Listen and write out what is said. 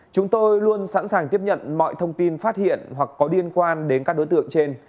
chúng tôi luôn sẵn sàng tiếp nhận mọi thông tin phát hiện hoặc có liên quan đến các đối tượng trên